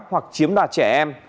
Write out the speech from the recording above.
hoặc chiếm đoạt trẻ em